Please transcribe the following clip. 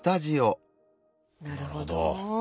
なるほど。